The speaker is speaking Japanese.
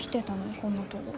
こんなとご。